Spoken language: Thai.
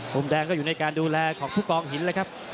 มุมแดงก็อยู่ในการดูแลของผู้กองหินแล้วครับ